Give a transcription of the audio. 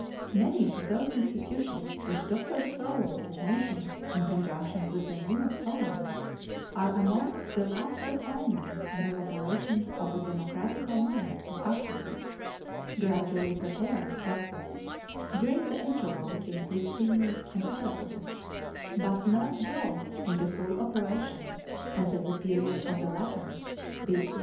Many of those institutions, which Dr. Thirlwall mentions in conjunction with the name of Solon, are among the last refinements and elaborations of the democratical mind of Athens gradually prepared, doubtless, during the interval between Clisthenes and Pericles, but not brought into full operation until the period of the latter (B.C.